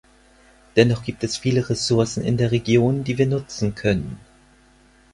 Dennoch gibt es viele Ressourcen in der Region, die wir nutzen können.